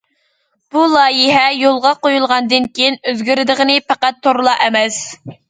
بۇ لايىھە يولغا قويۇلغاندىن كېيىن، ئۆزگىرىدىغىنى پەقەت تورلا ئەمەس.